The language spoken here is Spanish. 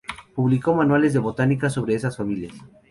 Publicó manuales de botánica sobre esas familias.